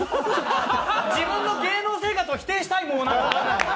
自分の芸能生活を否定したい、なんか。